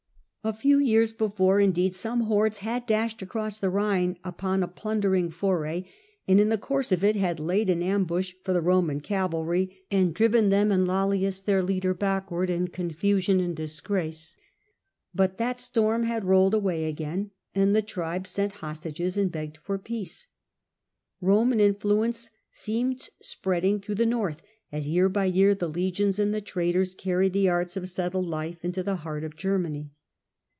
A few years before, indeed, some hordes had dashed across the Rhine upon a j)lundering foray, and in the course of it had laid an ambush for the Defeat of Roman cavalry, and driven them and Lollius, i^oilius, their leader, backward in confusion and disgrace. But that storm had rolled away again, and the tribes sent hostages and begged for peace. Roman influence seemed spreading through the North, as year by year the legions and the traders carried the arts of settled life into the heart of Germany.